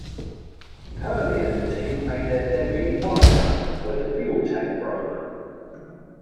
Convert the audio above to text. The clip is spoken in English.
Purley and the team made their debut in Monaco where the fuel tank broke.